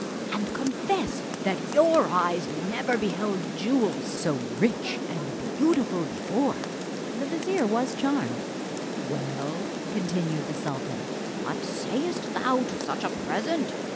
and confess that your eyes never beheld jewels so rich and beautiful before." The vizier was charmed. "Well," continued the sultan, "what sayest thou to such a present?